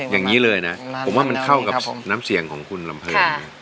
อย่างนี้เลยนะผมว่ามันเข้ากับน้ำเสียงของคุณลำเพลิน